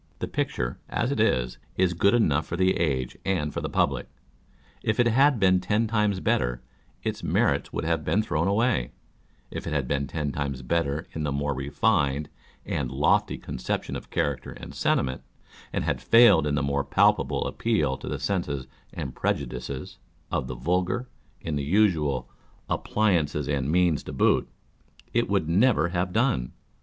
The picture, as it is, is good enough for the age and for the public. If it had been ten times better, its merits would have been thrown away : if it had been ten times better in the more refined and I to Success in Life. 275 lofty conception of character and sentiment, and had failed in the more palpable appeal to the senses and pre judices of the vulgar, in the usual " appliances and means to boot," it would never have done.